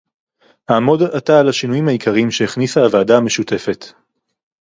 אעמוד עתה על השינויים העיקריים שהכניסה הוועדה המשותפת